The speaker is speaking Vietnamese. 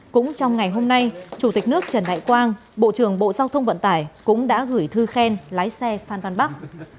cũng trong ngày hôm nay chủ tịch nước trần đại quang bộ trưởng bộ giao thông vận tải cũng đã gửi thư khen lái xe phan văn bắc